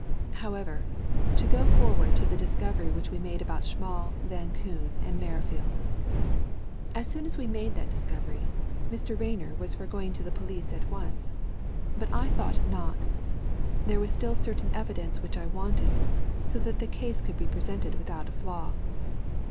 "However, to go forward to the discovery which we made about Schmall, Van Koon, and Merrifield. As soon as we made that discovery, Mr. Rayner was for going to the police at once, but I thought not there was still certain evidence which I wanted, so that the case could be presented without a flaw.